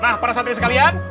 nah para satri sekalian